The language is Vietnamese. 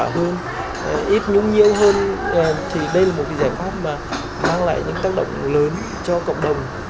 cho hiệu quả hơn ít nhung nhiều hơn thì đây là một giải pháp mà mang lại những tác động lớn cho cộng đồng